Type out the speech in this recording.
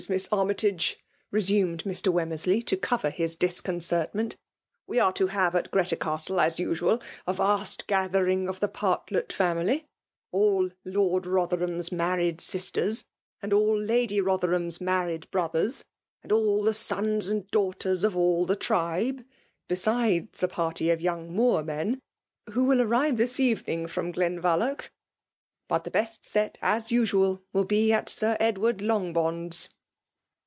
Miss Army tage," resumed Wemmersley, to cover his disconcertment—" We are to have at Greta Castle, as usual, a vast gathering of the Partle't family,— all Lord Rotherham's married sisters, and all Lady Rotherham's married brothers, and all the sons and daughters of all the tribe ; besides the party of young Moormen, who will arrive this evening from Glenvaclach. But the best set, as usual, will be at Sir Edward Longbond's."